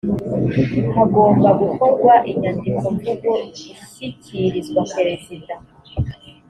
hagomba gukorwa inyandikomvugo ishyikirizwa perezida